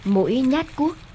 mỗi nhát cuốc